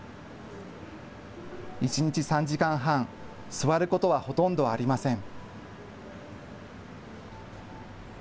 一日３時間半、座ることはほとんどありません。